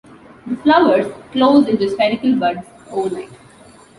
The flowers close into spherical buds overnight.